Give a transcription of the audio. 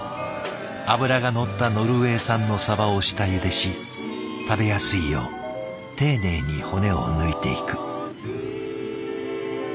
脂が乗ったノルウェー産のサバを下ゆでし食べやすいよう丁寧に骨を抜いていく。